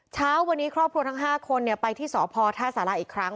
เช้าวันนี้ครอบครัวทั้ง๕คนไปที่สพท่าสาราอีกครั้ง